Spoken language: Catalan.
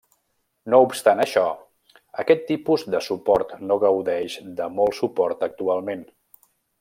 No obstant això, aquest tipus de suport no gaudeix de molt suport actualment.